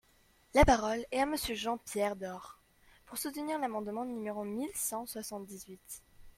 La parole est à Monsieur Jean-Pierre Door, pour soutenir l’amendement numéro mille cent soixante-dix-huit.